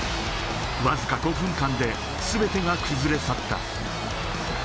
わずか５分間で全てが崩れ去った。